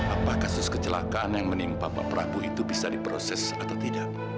apa kasus kecelakaan yang menimpa bapak prabu itu bisa diproses atau tidak